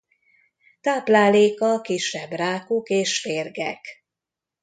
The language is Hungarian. Tápláléka kisebb rákok és férgek.